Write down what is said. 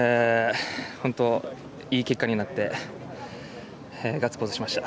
いい結果になってガッツポーズしました。